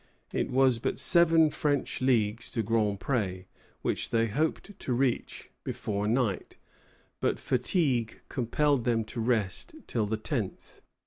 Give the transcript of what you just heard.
It was but seven French leagues to Grand Pré, which they hoped to reach before night; but fatigue compelled them to rest till the 10th.